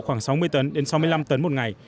khoảng sáu mươi tấn đến sáu mươi năm tấn một ngày